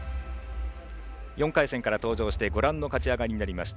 ４回戦から登場してご覧の勝ち上がりになりました。